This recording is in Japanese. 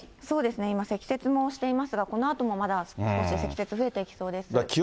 そうですね、今、積雪もしていますが、このあとも少し積雪、増えていきそうです。